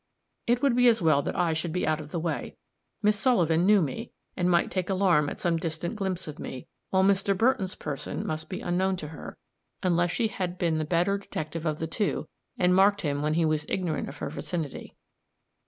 It would be as well that I should be out of the way. Miss Sullivan knew me, and might take alarm at some distant glimpse of me, while Mr. Burton's person must be unknown to her, unless she had been the better detective of the two, and marked him when he was ignorant of her vicinity.